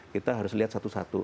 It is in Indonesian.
kita harus lihat satu satu